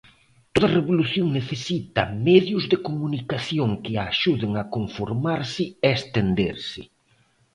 Toda Revolución necesita medios de comunicación que a axuden a conformarse e estenderse.